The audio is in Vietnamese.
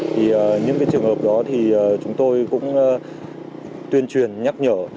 thì những cái trường hợp đó thì chúng tôi cũng tuyên truyền nhắc nhở